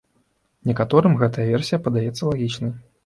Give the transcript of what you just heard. Некаторым гэтая версія падаецца лагічнай.